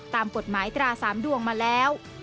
ตามกฎหมายตรา๓ดวงมาแล้ว